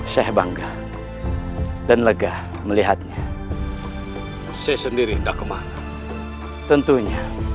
sheikh bangga dan lega melihatnya saya sendiri enggak kemana tentunya